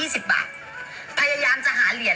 ฉันปรารถนาแบบนี้